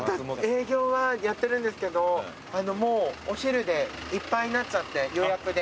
営業はやってるんですけどもうお昼でいっぱいになっちゃって予約で。